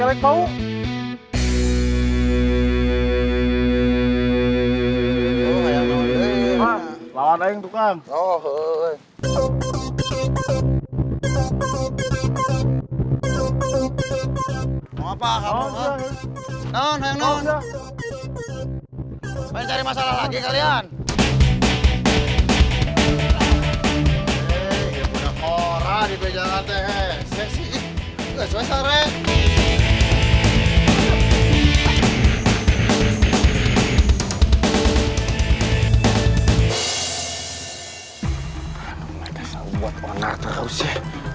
aduh mereka selalu buat onar terus ya